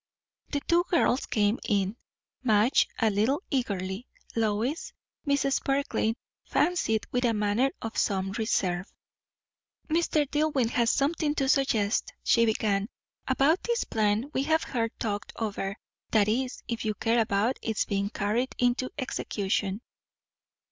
The two girls came in, Madge a little eagerly; Lois, Mrs. Barclay fancied, with a manner of some reserve. "Mr. Dillwyn has something to suggest," she began, "about this plan we have heard talked over; that is, if you care about it's being carried into execution."